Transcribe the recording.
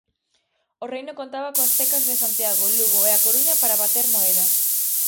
O Reino contaba coas cecas de Santiago, Lugo e A Coruña para bater moeda.